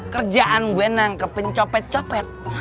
kerjaan gue nang ke pencopet copet